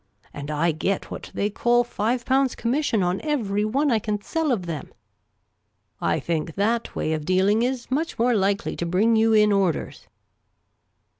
And I get what they call five pounds connnission on every one I can sell of them !* I think that way of dealing is much more likely to bring you in orders."